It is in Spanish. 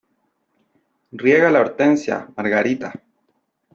Riega la hortensia, Margarita.